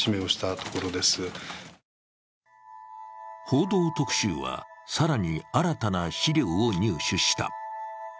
「報道特集」は更に新たな資料を入手した。